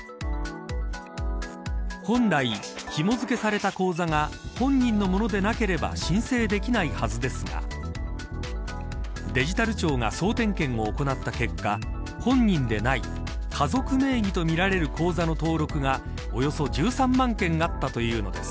本来、ひも付けされた口座が本人のものでなければ申請できないはずですがデジタル庁が総点検を行った結果本人でない家族名義と見られる口座の登録がおよそ１３万件あったというのです。